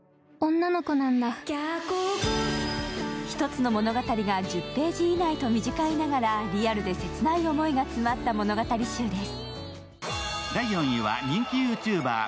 一つの物語が１０ページ以内と短いながらリアルで切ない思いが詰まった物語集です。